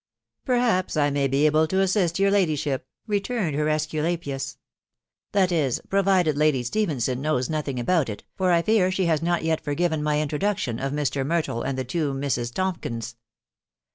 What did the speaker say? " Perhaps I may be able to assist your ladyship,"* returned her Esculapius ;" that is, provided Lady Stephenson knows nothing about it, for I fear she has not yet forgiven my intro duction of Mr. Myrtle and the two Misses Tonkins."